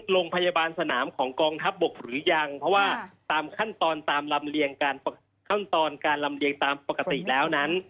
โรงพยาบาลสนามของกองทัพบกหรือยังเพราะว่าตามขั้นตอนตามลำเลียงการขั้นตอนการลำเลียงตามปกติแล้วนั้น